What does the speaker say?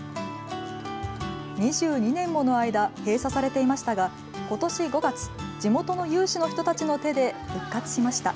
２２年もの間、閉鎖されていましたがことし５月、地元の有志の人たちの手で復活しました。